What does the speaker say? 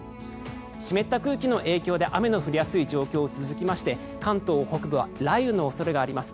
湿った空気の影響で雨の降りやすい状況は続きまして関東北部は雷雨の恐れがあります。